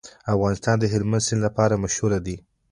افغانستان د هلمند سیند لپاره مشهور دی.